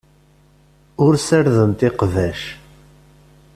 Ur ssardent iqbac.